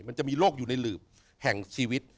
มันจะมีโรคอยู่ในหลืบแห่งชีวิต